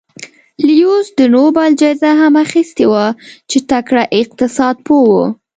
لیوس د نوبل جایزه هم اخیستې وه چې تکړه اقتصاد پوه و.